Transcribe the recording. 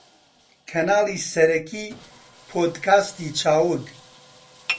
کەناڵی سەرەکی پۆدکاستی چاوگ